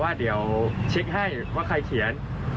คุณธิชานุลภูริทัพธนกุลอายุ๓๔